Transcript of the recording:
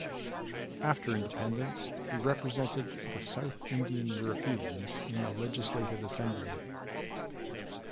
After Independence, he represented the South Indian Europeans in the Legislative Assembly.